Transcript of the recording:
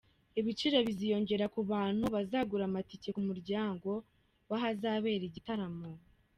Ibiciro biziyongera ku bantu bazagura amatike ku muryango w’ahazabera igitaramo.